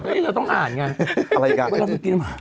ที่เราต้องอ่านไงอะไรอีกครับ